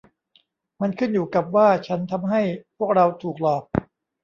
มันขึ้นอยู่กับว่าฉันทำให้พวกเราถูกหลอก